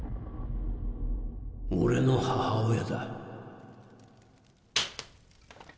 俺の母親だ